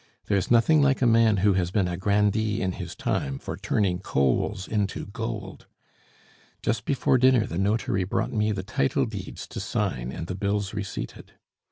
There is nothing like a man who has been a grandee in his time for turning coals into gold. Just before dinner the notary brought me the title deeds to sign and the bills receipted!